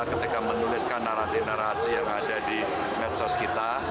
ketika menuliskan narasi narasi yang ada di medsos kita